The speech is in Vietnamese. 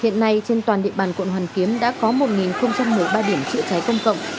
hiện nay trên toàn địa bàn quận hoàn kiếm đã có một một mươi ba điểm chữa cháy công cộng